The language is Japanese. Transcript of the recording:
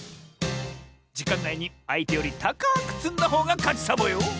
じかんないにあいてよりたかくつんだほうがかちサボよ！